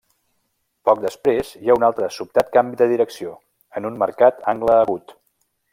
Poc després hi ha un altre sobtat canvi de direcció, en un marcat angle agut.